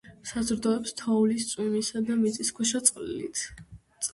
საზრდოობს თოვლის, წვიმისა და მიწისქვეშა წლით.